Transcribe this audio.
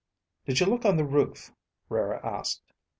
"Did you look on the roof?" Rara asked.